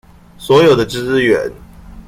所有的資源